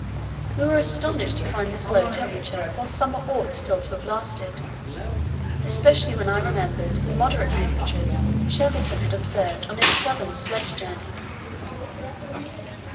We were astonished to find this low temperature while summer ought still to have lasted, especially when I remembered the moderate temperatures Shackleton had observed on his southern sledge journey.